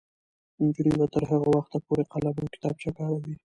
نجونې به تر هغه وخته پورې قلم او کتابچه کاروي.